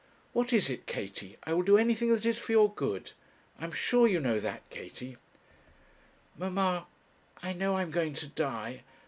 'What is it, Katie? I will do anything that is for your good. I am sure you know that, Katie.' 'Mamma, I know I am going to die.